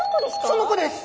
その子です。